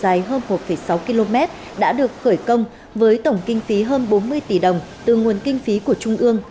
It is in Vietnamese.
dài hơn một sáu km đã được khởi công với tổng kinh phí hơn bốn mươi tỷ đồng từ nguồn kinh phí của trung ương